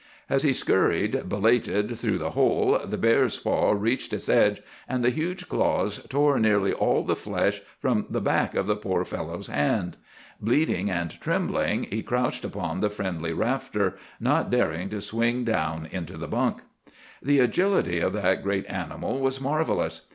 As he scurried, belated, through the hole, the bear's paw reached its edge, and the huge claws tore nearly all the flesh from the back of the poor fellow's hand. Bleeding and trembling he crouched upon the friendly rafter, not daring to swing down into the bunk. "The agility of that great animal was marvellous.